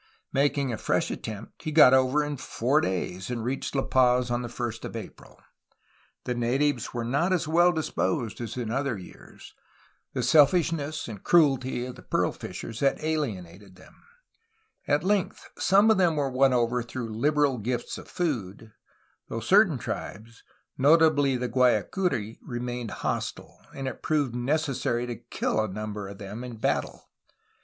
Making a fresh attempt he got over in four days, and reached La Paz on the 1st of April. The natives were SEA APPROACHES FROM NEW SPAIN TO CALIFORNIA 169 not as well disposed as in other years; the selfishness and cruelty of the pearl fishers had alienated them. At length some of them were won over through liberal gifts of food, though certain tribes, notably the Guaicuri, remained hostile, and it proved necessary to kill a number of them in battle.